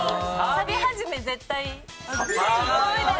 サビ始め絶対？